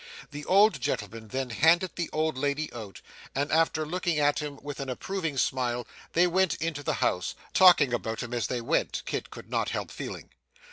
The old gentleman then handed the old lady out, and after looking at him with an approving smile, they went into the house talking about him as they went, Kit could not help feeling.